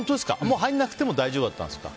入らなくても大丈夫だったんですか。